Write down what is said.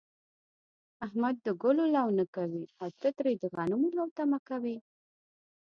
احمد د گلو لو نه کوي، او ته ترې د غنمو لو تمه کوې.